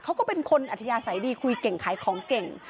เขาก็เป็นคนอัธยาศัยดีคุยเก่งขายของเก่ง